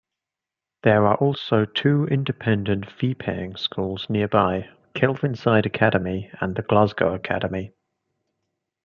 There are also two independent, fee-paying schools nearby, Kelvinside Academy and The Glasgow Academy.